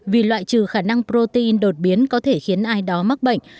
vì loại trừ khả năng protein đột biến có thể khiến ai đó mắc bệnh